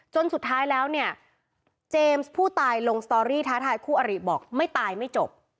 สุดท้ายแล้วเนี่ยเจมส์ผู้ตายลงสตอรี่ท้าทายคู่อริบอกไม่ตายไม่จบ